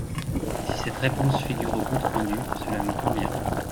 Si cette réponse figure au compte rendu, cela me convient.